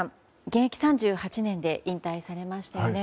現役３８年で引退されましたよね。